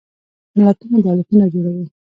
ملتونه دولتونه جوړوي.